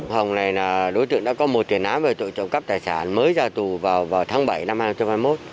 hồng này là đối tượng đã có một tiền án về tội trộm cắp tài sản mới ra tù vào tháng bảy năm hai nghìn hai mươi một